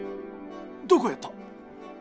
どこをやった？